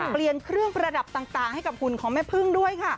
เปลี่ยนเครื่องประดับต่างให้กับหุ่นของแม่พึ่งด้วยค่ะ